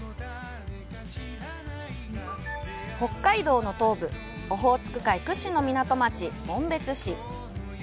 北海道の東部オホーツク海屈指の港町・紋別市。